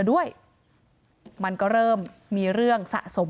นายพิรายุนั่งอยู่ติดกันแบบนี้นะคะ